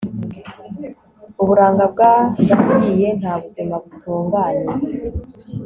Uburanga bwaragiye Nta buzima butunganye